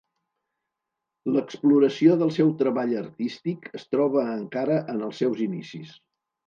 L'exploració del seu treball artístic es troba encara en els seus inicis.